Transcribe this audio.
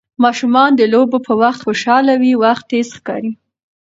ماشومان د لوبو په وخت خوشحاله وي، وخت تېز ښکاري.